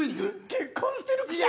結婚してるくせに。